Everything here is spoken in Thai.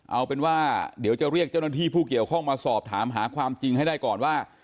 เอาเป็นว่าเดี๋ยวจะเรียกเจ้าหน้าที่ผู้เกี่ยวข้องมาสอบถามหาความจริงให้ได้ก่อนว่า